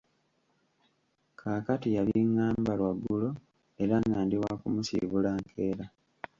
Kaakati yabingamba lwaggulo era nga ndi waakumusiibula nkeera.